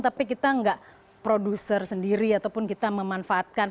tapi kita nggak produser sendiri ataupun kita memanfaatkan